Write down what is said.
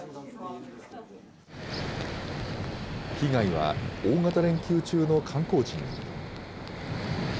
被害は大型連休中の観光地にも。